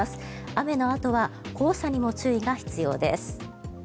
雨のあとは黄砂にも注意が必要です。